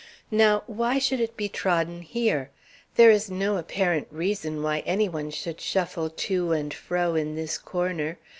"Now, why should it be trodden here? There is no apparent reason why any one should shuffle to and fro in this corner.